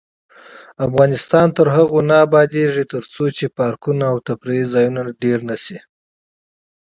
افغانستان تر هغو نه ابادیږي، ترڅو پارکونه او تفریح ځایونه ډیر نشي.